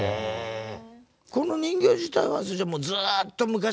この人形自体はそれじゃもうずっと昔から？